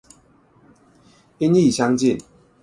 音亦相近